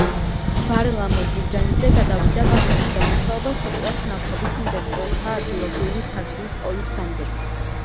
ვარლამ ბურჯანაძე გადავიდა ბაქოში და მუშაობას იწყებს ნავთობის მრეწველთა ადგილობრივი ქართული სკოლის გამგედ.